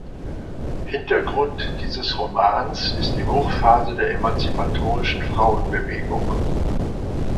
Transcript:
Hintergrund dieses Romans ist die Hochphase der emanzipatorischen Frauenbewegung.